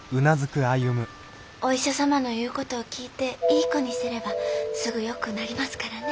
お医者様の言う事を聞いていい子にしてればすぐよくなりますからね。